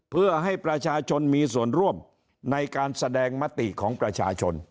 เพื่อให้ประชาชนมีส่วนร่วมในการแสดงมติของประชาชน